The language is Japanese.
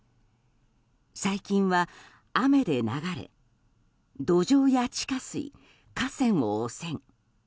細菌は雨で流れ土壌や地下水、河川を汚染。